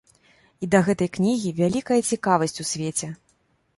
І да гэтай кнігі вялікая цікавасць у свеце.